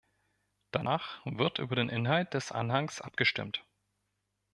Danach wird über den Inhalt des Anhangs abgestimmt.